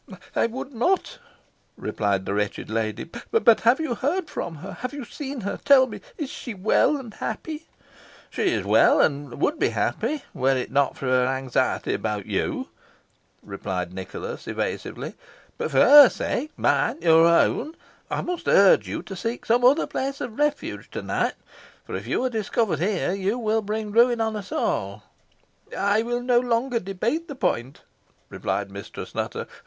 "I would not," replied the wretched lady. "But have you heard from her have you seen her? Tell me, is she well and happy?" "She is well, and would be happy, were it not for her anxiety about you," replied Nicholas, evasively. "But for her sake mine your own I must urge you to seek some other place of refuge to night, for if you are discovered here you will bring ruin on us all." "I will no longer debate the point," replied Mistress Nutter.